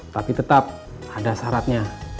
tapi tetap ada syaratnya